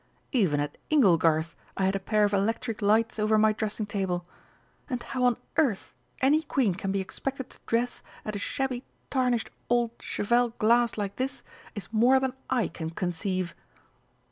"Even at 'Inglegarth' I had a pair of electric lights over my dressing table! And how on earth any Queen can be expected to dress at a shabby tarnished old cheval glass like this is more than I can conceive!"